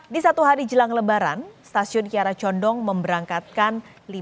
di satu hari jelang lebaran stasiun kiara condong akan berjalan ke jawa tengah jawa timur